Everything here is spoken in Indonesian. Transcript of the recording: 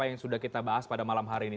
yang sudah kita bahas pada malam hari ini